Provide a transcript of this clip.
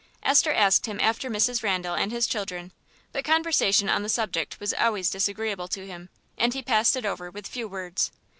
Esther asked him after Mrs. Randal and his children, but conversation on the subject was always disagreeable to him, and he passed it over with few words.